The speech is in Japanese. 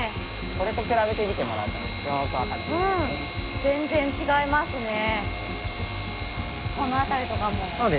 これと比べてみてもらうとよく分かると思いますね。